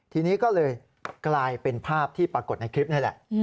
ทีนี้ก็เลยกลายเป็นภาพที่ปรากฏในคลิปนี่แหละ